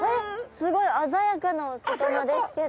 すごい鮮やかなお魚ですけど。